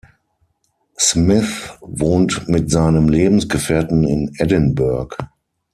Smith wohnt mit seinem Lebensgefährten in Edinburgh.